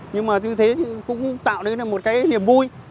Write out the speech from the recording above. nhưng mà như thế cũng tạo nên một cái niềm vui